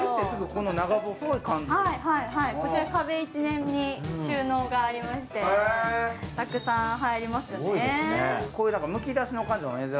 こちら壁一面に収納がありまして、たくさん入りますよね。